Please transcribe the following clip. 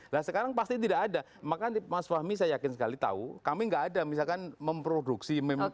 nah sekarang pasti tidak ada maka mas fahmi saya yakin sekali tahu kami nggak ada misalkan memproduksi